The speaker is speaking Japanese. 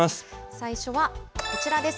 最初はこちらです。